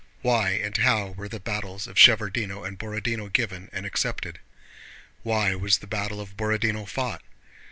Why and how were the battles of Shevárdino and Borodinó given and accepted? Why was the battle of Borodinó fought?